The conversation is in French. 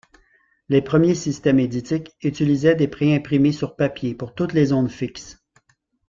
Les premiers systèmes éditiques utilisaient des préimprimés sur papier pour toutes les zones fixes.